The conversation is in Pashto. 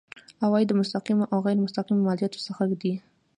عواید د مستقیمو او غیر مستقیمو مالیاتو څخه دي.